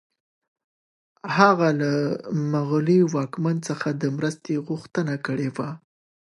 هغه له مغلي واکمن څخه د مرستې غوښتنه کړې وه.